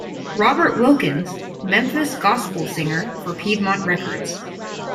Robert Wilkins: Memphis Gospel Singer, for Piedmont Records.